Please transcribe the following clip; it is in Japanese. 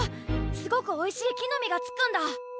すごくおいしい木の実がつくんだ。